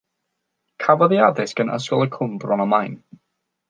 Cafodd ei addysg yn Ysgol y Cwm, Bron y Maen.